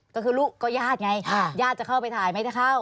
ก็คือลูกก็ญาติไงญาติจะเข้าไปถ่ายไม่ได้เข้า